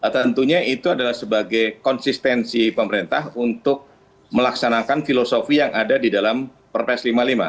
tentunya itu adalah sebagai konsistensi pemerintah untuk melaksanakan filosofi yang ada di dalam perpres lima puluh lima